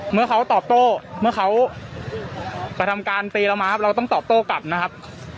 เมื่อเขาตอบโต้เมื่อเขากระทำการตีเรามาเราต้องตอบโต้กลับนะครับ